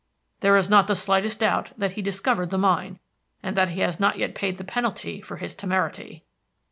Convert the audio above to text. There is not the slightest doubt that he discovered the mine, and that he has not yet paid the penalty for his temerity."